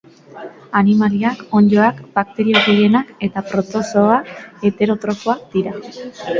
Animaliak, onddoak, bakterio gehienak eta protozooak heterotrofoak dira.